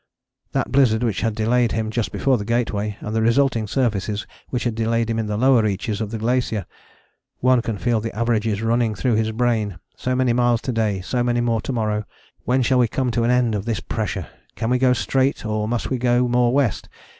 That blizzard which had delayed him just before the Gateway, and the resulting surfaces which had delayed him in the lower reaches of the glacier! One can feel the averages running through his brain: so many miles to day: so many more to morrow. When shall we come to an end of this pressure? Can we go straight or must we go more west?